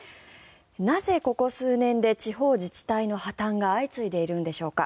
なぜここ数年で地方自治体の破たんが相次いでいるのでしょうか。